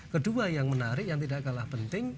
kedua yang menarik yang tidak kalah penting